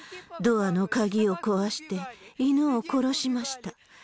ドアの鍵を壊して、犬を殺しました。